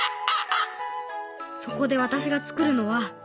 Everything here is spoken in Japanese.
そこで私がつくるのは。